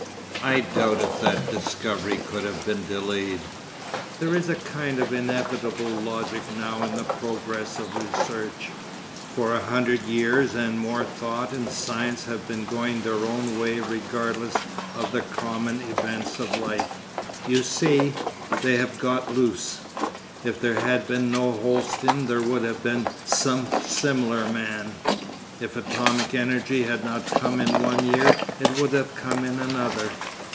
I doubt if that discovery could have been delayed. There is a kind of inevitable logic now in the progress of research. For a hundred years and more thought and science have been going their own way regardless of the common events of life. You see—they have got loose. If there had been no Holsten there would have been some similar man. If atomic energy had not come in one year it would have come in another.